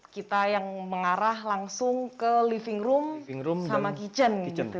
kita yang mengarah langsung ke living room sama kitchen